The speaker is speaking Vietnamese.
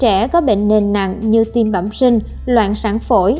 trẻ có bệnh nền nặng như tim bẩm sinh loạn sản phổi